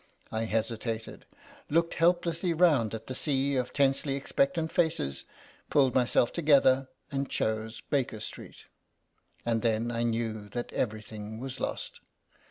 I hesitated, looked helplessly round at the sea of tensely expectant faces, pulled myself together, and chose Baker Street. And then I knew that everything was lost.